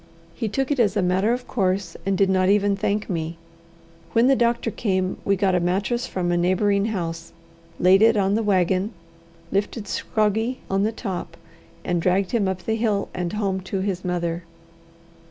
He took it as a matter of course, and did not even thank me. When the doctor came, we got a mattress from a neighbouring house, laid it on the wagon, lifted Scroggie on the top, and dragged him up the hill and home to his mother.